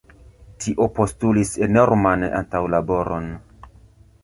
Tio postulis enorman antaŭlaboron.